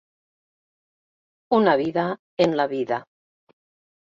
Una vida en la vida.